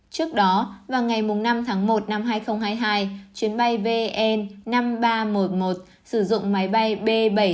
trước đó vào ngày năm tháng một năm hai nghìn hai mươi hai chuyến bay vn năm nghìn ba trăm một mươi một sử dụng máy bay b bảy trăm tám mươi bảy tám trăm sáu mươi tám